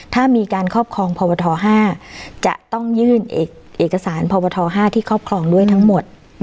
ถ้ามีการครอบครองพบท๕จะต้องยื่นเอกสารพบท๕ที่ครอบครองด้วยทั้งหมด